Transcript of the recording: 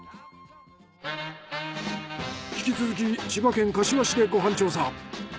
引き続き千葉県柏市でご飯調査。